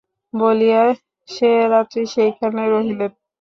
বলিয়া সে রাত্রি সেইখানে রহিলেন।